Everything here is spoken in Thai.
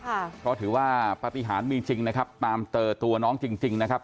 เพราะถือว่าปฏิหารมีจริงนะครับตามเจอตัวน้องจริงจริงนะครับ